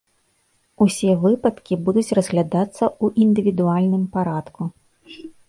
Усе выпадкі будуць разглядацца ў індывідуальным парадку.